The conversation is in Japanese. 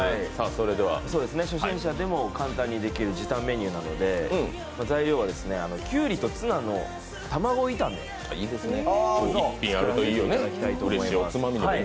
初心者でも簡単にできる時短メニューなので、きゅうりとツナの卵炒め作らせていただきたいと思います。